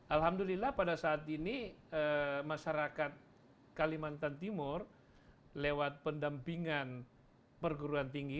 alhamdulillah pada saat ini masyarakat kalimantan timur lewat pendampingan perguruan tinggi